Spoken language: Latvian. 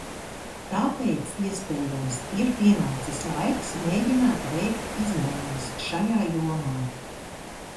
Tāpēc, iespējams, ir pienācis laiks mēģināt veikt izmaiņas šajā jomā.